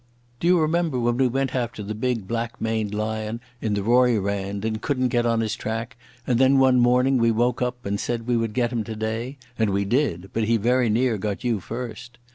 Do you remember when we went after the big black maned lion in the Rooirand and couldn't get on his track, and then one morning we woke up and said we would get him today?—and we did, but he very near got you first.